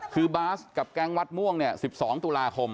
คือบาสกับแก๊งวัดม่วงเนี่ย๑๒ตุลาคม